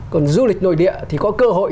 còn du lịch nội địa thì có cơ hội